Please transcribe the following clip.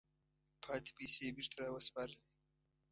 پاتې پیسې یې بیرته را وسپارلې.